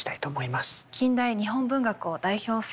近代日本文学を代表する作家ですね。